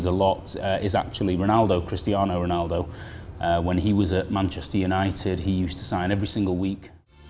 yang dikeluarkan agensi yang menjamin kehasilan tanda tangan seperti panini atau upper deck